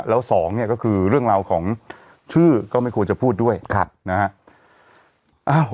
แล้วสองเนี่ยก็คือเรื่องราวของชื่อก็ไม่ควรจะพูดด้วยนะฮะ